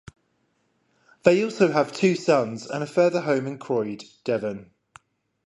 They also have two sons and a further home in Croyde, Devon.